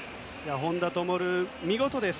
本多灯、見事です。